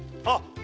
あっ！